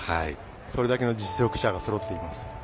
それだけの実力者がそろっています。